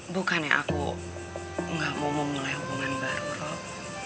bukannya aku gak mau memulai hubungan baru rob